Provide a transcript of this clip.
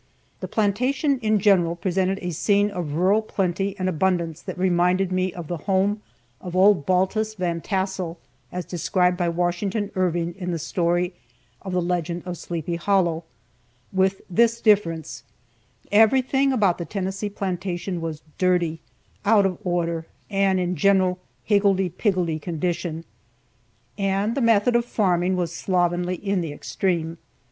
The plantation in general presented a scene of rural plenty and abundance that reminded me of the home of old Baltus Van Tassel, as described by Washington Irving in the story of "The Legend of Sleepy Hollow," with this difference: Everything about the Tennessee plantation was dirty, out of order, and in general higgledy piggledy condition. And the method of farming was slovenly in the extreme.